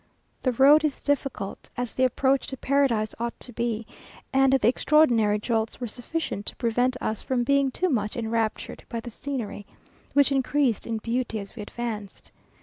The road is difficult, as the approach to Paradise ought to be, and the extraordinary jolts were sufficient to prevent us from being too much enraptured by the scenery, which increased in beauty as we advanced.